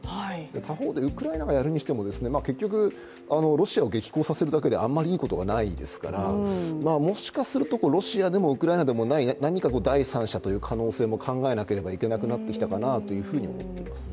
他方でウクライナがやるにしても、結局、ロシアを激高させるだけであんまりいいことがないですからもしかすると、ロシアでもウクライナでもない何か第三者という可能性も考えなければいけなくなってきたかなと思っています。